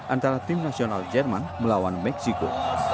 antara tim nasional jerman melawan meksiko